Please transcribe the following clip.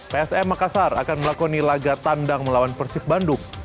psm makassar akan melakoni laga tandang melawan persib bandung